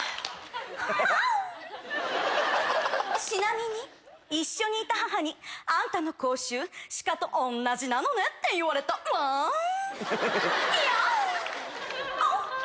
ちなみに一緒にいた母に「あんたの口臭鹿と同じなのね」って言われたわん。